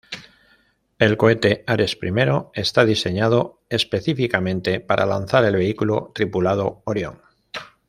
El cohete Ares I está diseñado específicamente para lanzar el Vehículo tripulado Orión.